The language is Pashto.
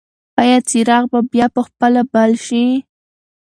ایا څراغ به بیا په خپله بل شي؟